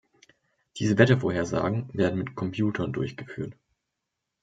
Diese Wettervorhersagen werden mit Computern durchgeführt.